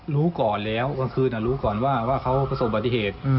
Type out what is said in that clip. รู้ก่อนแล้วคือรู้ก่อนว่าเขาประสบอุบัติเหตุ